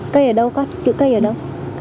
cây ở đâu con chữ cây ở đâu